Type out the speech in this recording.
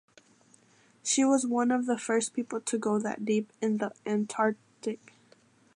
She was one of the first people to go that deep in the Antarctic.